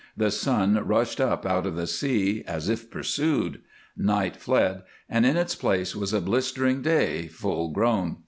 The sun rushed up out of the sea as if pursued; night fled, and in its place was a blistering day, full grown.